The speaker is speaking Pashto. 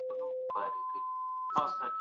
درناوی د اړیکې ساتنه کوي.